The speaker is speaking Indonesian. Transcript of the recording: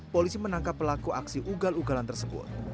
polisi menangkap pelaku aksi ugal ugalan tersebut